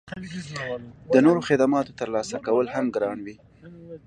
د نورو خدماتو ترلاسه کول هم ګران وي